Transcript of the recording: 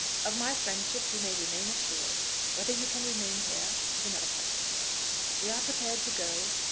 Of my friendship you may remain assured. Whether you can remain here is another question." "We are prepared to go."